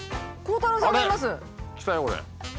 来たよこれ。